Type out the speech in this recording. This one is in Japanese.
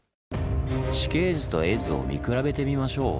地形図と絵図を見比べてみましょう。